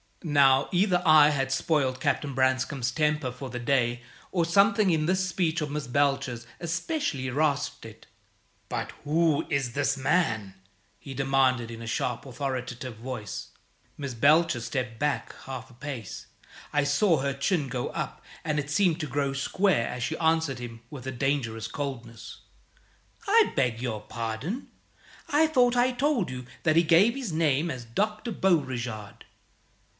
Now, either I had spoiled Captain Branscome's temper for the day, or something in this speech of Miss Belcher's especially rasped it. "But who is this man?" he demanded, in a sharp, authoritative voice. Miss Belcher stepped back half a pace. I saw her chin go up, and it seemed to grow square as she answered him with a dangerous coldness. "I beg your pardon. I thought I told you that he gave his name as Dr. Beauregard."